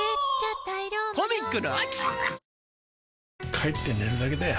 帰って寝るだけだよ